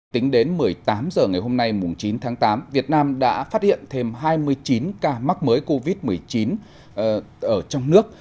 tính đến một mươi tám h ngày hôm nay chín tháng tám việt nam đã phát hiện thêm hai mươi chín ca mắc mới covid một mươi chín ở trong nước